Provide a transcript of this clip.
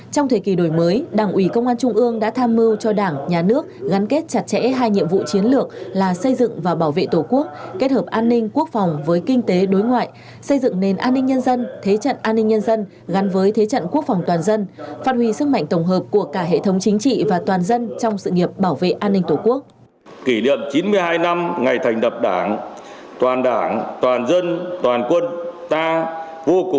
trong thời kỳ đổi mới đảng uỷ công an trung ương đã tham mưu cho đảng nhà nước gắn kết chặt chẽ hai nhiệm vụ chiến lược là xây dựng và bảo vệ tổ quốc kết hợp an ninh quốc phòng với kinh tế đối ngoại xây dựng nền an ninh nhân dân thế trận an ninh nhân dân gắn với thế trận quốc phòng toàn dân phát huy sức mạnh tổng hợp của cả hệ thống chính trị và toàn dân trong sự nghiệp bảo vệ an ninh tổ quốc